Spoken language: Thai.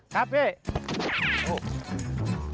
ครับพี่